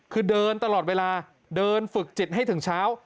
คือเดินตลอดเวลาเดินฝึกจิตให้ถึงเช้า